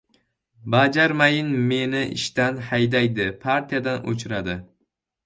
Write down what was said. Bajarmayin, meni ishdan haydaydi, partiyadan o‘chiradi.